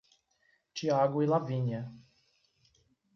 Thiago e Lavínia